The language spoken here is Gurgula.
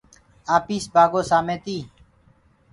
آپيس بآگو سآمي تي